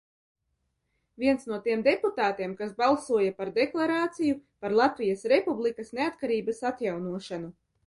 "Viens no tiem deputātiem, kas balsoja par deklarāciju "Par Latvijas Republikas neatkarības atjaunošanu"."